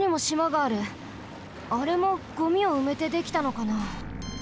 あれもゴミをうめてできたのかな？